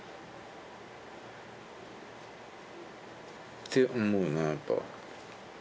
って思うなやっぱ。